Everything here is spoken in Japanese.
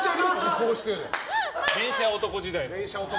「電車男」時代の。